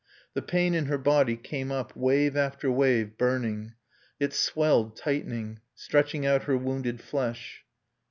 The pain in her body came up, wave after wave, burning. It swelled, tightening, stretching out her wounded flesh.